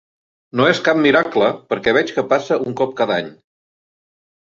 No és cap miracle, perquè veig que passa un cop cada any.